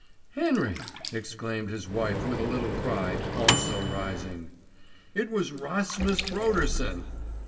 "Henry!" exclaimed his wife with a little cry, also rising. "It was Rasmus Brodersen."